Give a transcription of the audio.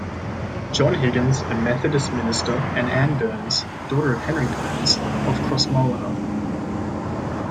John Higgins, a Methodist minister, and Anne Bournes, daughter of Henry Bournes of Crossmolina.